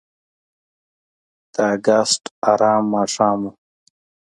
د اګست آرامه ماښام و.